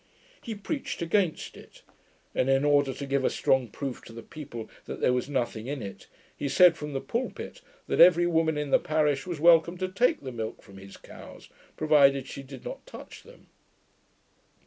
He preached against it; and in order to give a strong proof to the people that there was nothing in it, he said from the pulpit, that every woman in the parish was welcome to take the milk from his cows, provided she did not touch them.